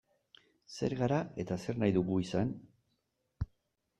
Zer gara eta zer nahi dugu izan?